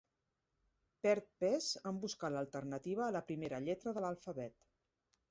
Perd pes en buscar l'alternativa a la primera lletra de l'alfabet.